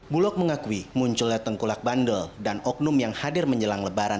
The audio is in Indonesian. bulog mengakui munculnya tengkulak bandel dan oknum yang hadir menjelang lebaran